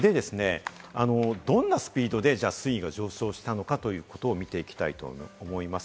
どんなスピードで水位が上昇したのかということを見ていきます。